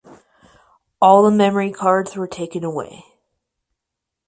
All the memory cards were taken away.